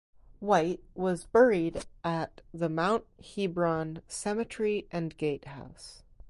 Wight was buried at the Mount Hebron Cemetery and Gatehouse.